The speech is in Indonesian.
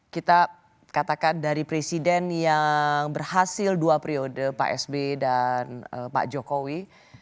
kita katakan dari presiden yang berhasil dua periode pak sb dan pak jokowi